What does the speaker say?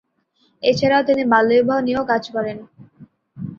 এছাড়াও তিনি বাল্যবিবাহ নিয়েও কাজ করেন।